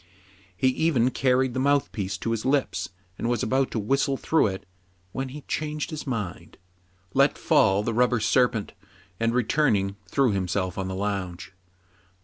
He even carried the mouth piece to his lips, and was about to whistle through it, when he changed his mind, let fall the rubber serpent, and, returning, threw himself on the lounge.